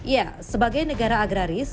ya sebagai negara agraris